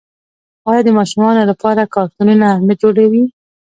آیا د ماشومانو لپاره کارتونونه نه جوړوي؟